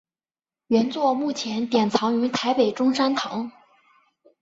原作目前典藏于台北中山堂。